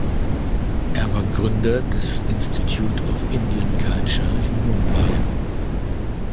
Er war Gründer des Institute of Indian Culture in Mumbai.